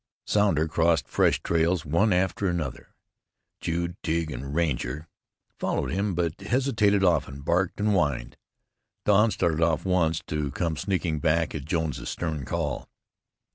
Sounder crossed fresh trails one after another; Jude, Tige and Ranger followed him, but hesitated often, barked and whined; Don started off once, to come sneaking back at Jones's stern call.